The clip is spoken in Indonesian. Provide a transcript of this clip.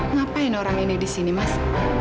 ngapain orang ini disini mas